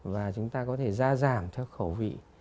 và chúng ta có thể ra giảm theo khẩu vị